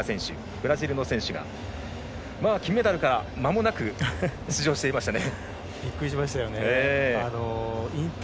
ブラジルの選手が金メダルからまもなく出場していましたね。